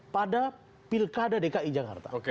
pada pilkada dki jakarta